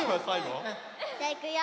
じゃいくよ！